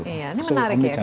ini menarik ya